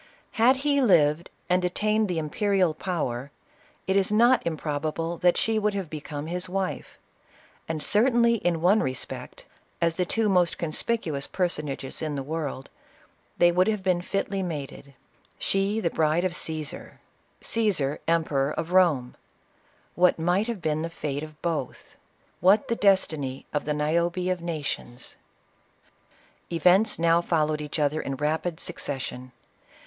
Had he lived, and attained the imperial power, it is not improbable that she would have become his wife ; and certainly, in one repjH ct — as the two most conspicuous person ages in the world — they would have been fitly mated. She the bride of Caesar — Caesar Emperor of Home, — what might have been the fate of both ! what the des tiny of " the Niobe of nations !" Events now followed each other in rapid succession.